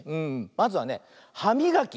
まずはねはみがき。